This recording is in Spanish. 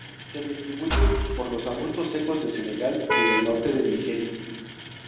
Se distribuye por los arbustos secos de Senegal y del norte de Nigeria.